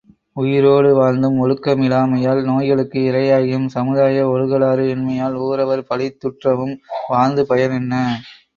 உயிரோடு வாழ்ந்தும் ஒழுக்கமிலாமையால் நோய்களுக்கு இரையாகியும், சமுதாய ஒழுகலாறு இன்மையால் ஊரவர் பழி துற்றவும் வாழ்ந்து பயன் என்ன?